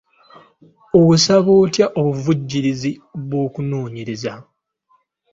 Osaba otya obuvujjirizi bw'okunoonyereza?